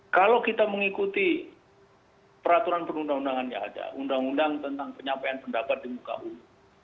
kalau kita mengikuti peraturan perundang undangan yang ada undang undang tentang penyampaian pendapat di muka umum